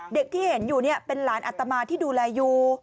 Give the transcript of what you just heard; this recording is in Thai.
เด็กที่เห็นอยู่เป็นหลานอัตมาที่ดูแลอยู่